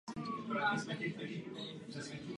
Jsou monogamní a teritoriální.